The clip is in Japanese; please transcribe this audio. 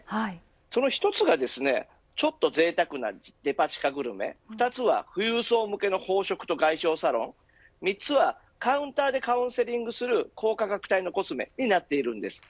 その１つがちょっとぜいたくなデパ地下グルメ２つは富裕層向けの宝飾と外商サロン３つはカウンターでカウンセリングする高価格帯のコスメになっています。